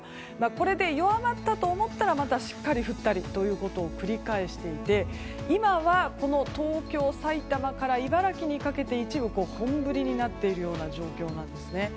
これで弱まったと思ったらまたしっかりと降ったりということを繰り返していて今は東京、埼玉から茨城にかけて、一部本降りになっている状況です。